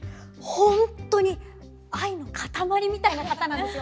本当に愛の塊みたいな方なんですよ。